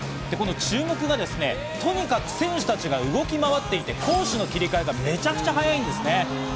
この注目がとにかく選手たちが動き回っていて攻守の切り替えがめちゃくちゃ早いんですね。